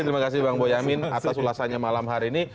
terima kasih bang boyamin atas ulasannya malam hari ini